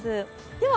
では